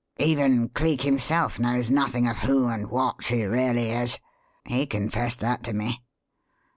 Even Cleek himself knows nothing of who and what she really is. He confessed that to me.